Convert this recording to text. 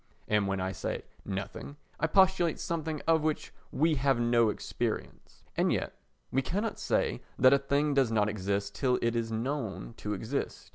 And when I say "nothing" I postulate something of which we have no experience. And yet we cannot say that a thing does not exist till it is known to exist.